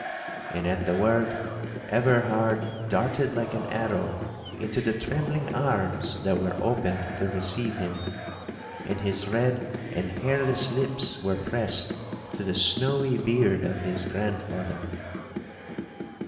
And, at the word, Everhard darted like an arrow into the trembling arms that were opened to receive him, and his red and hairless lips were pressed to the snowy beard of his grandfather.